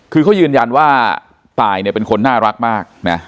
คือเขายืนยันว่าตายเป็นคนน่ารักมาก